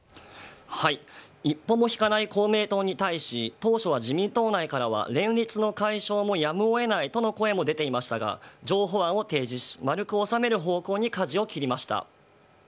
一歩も引かない公明党に対し、当初は自民党内からは、連立の解消もやむをえないとの声も出ていましたが、譲歩案を提示し、丸く収める方向でかじを切りました。